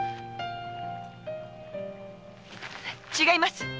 違います！